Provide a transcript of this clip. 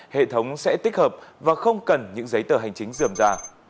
hệ thống sẽ tích hợp và không cần những giấy tờ hành chính dườm ra